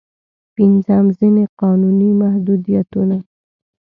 پنځم: ځينې قانوني محدودیتونه.